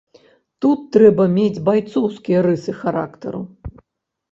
Тут трэба мець байцоўскія рысы характару.